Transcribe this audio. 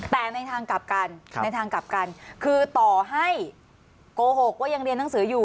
แต่ในทางกลับกันในทางกลับกันคือต่อให้โกหกว่ายังเรียนหนังสืออยู่